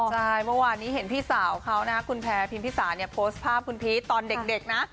ใช่เมื่อวานนี้เห็นพี่สาวเขานะคุณแพรพิมพิสาเนี่ยโพสต์ภาพคุณพีชตอนเด็กนะ